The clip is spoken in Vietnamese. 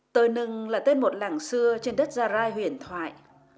tờ nưng là tên một làng xưa trên đất gia rai huyền thoại